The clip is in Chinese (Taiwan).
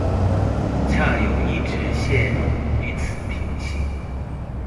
恰有一直線與此平行